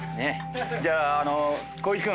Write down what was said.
じゃあ光一君。